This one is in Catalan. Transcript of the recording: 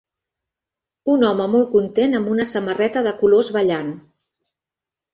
Un home molt content amb una samarreta de colors ballant.